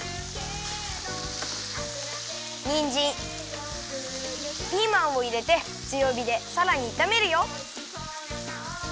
にんじんピーマンをいれてつよびでさらにいためるよ。